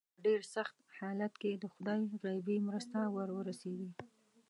په ډېر سخت حالت کې د خدای غیبي مرسته ور ورسېږي.